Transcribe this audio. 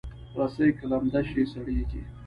رسۍ که لمده شي، سړېږي.